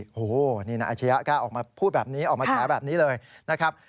โอ้โหนี่นายอาชียะกล้าออกมาพูดแบบนี้ออกมาแฉแบบนี้เลยนะครับ